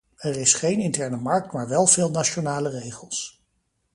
Er is geen interne markt maar wel veel nationale regels.